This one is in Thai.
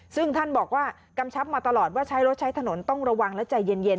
ซึ่งท่านบอกว่ากำชับมาตลอดว่าใช้รถใช้ถนนต้องระวังและใจเย็น